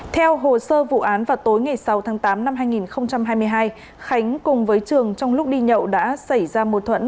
theo hồ sơ vụ án vào tối ngày sáu tháng tám năm hai nghìn hai mươi hai khánh cùng với trường trong lúc đi nhậu đã xảy ra mô thuẫn